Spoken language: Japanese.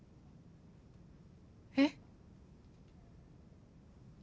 えっ？